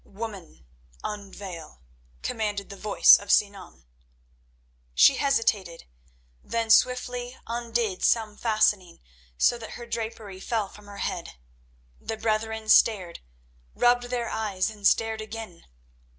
"Woman, unveil," commanded the voice of Sinan. She hesitated, then swiftly undid some fastening, so that her drapery fell from her head. The brethren stared, rubbed their eyes, and stared again.